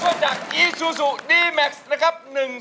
หัวช่วงจากอีซูซูดีแม็กซ์นะครับ